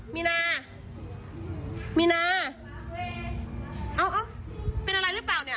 มีนามีนาโอ้โฮเห๊ะเอ้า